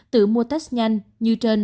tự mua test nhanh như trên